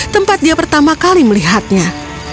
tempat dia pertama kali melihatnya